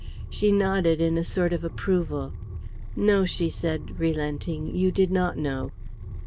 She nodded in a sort of approval. "No," she said, relenting, "you did not know."